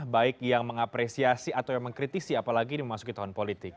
baik yang mengapresiasi atau yang mengkritisi apalagi ini memasuki tahun politik